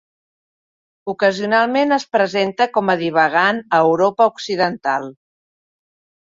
Ocasionalment es presenta com a divagant a Europa occidental.